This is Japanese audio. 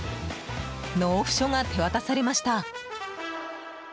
納付書が手渡されました。